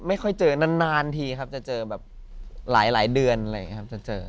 ไม่ค่อยเจอนานทีครับจะเจอแบบหลายเดือนอะไรอย่างนี้ครับจะเจอ